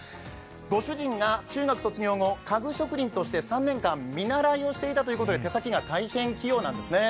ご主人が中学卒業後家具職人として見習いをしていたということで手先が大変器用なんですね。